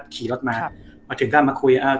ขี่รถมาก็ถึงมาคุย